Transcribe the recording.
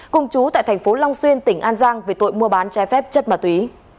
cùng chú tại thành phố long xuyên tỉnh an giang về tội mua bán trái phép chất ma túy